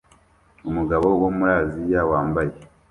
Umugabo wo muri Aziya wambaye